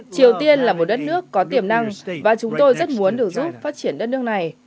triều tiên là một đất nước có tiềm năng và chúng tôi rất muốn được giúp phát triển đất nước này